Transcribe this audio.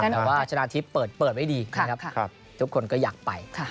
แต่ว่าชนะทิพย์เปิดไว้ดีนะครับทุกคนก็อยากไป